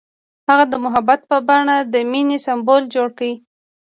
هغه د محبت په بڼه د مینې سمبول جوړ کړ.